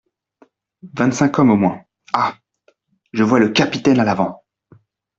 Vingt-cinq hommes au moins ! Ah ! je vois le capitaine à l'avant.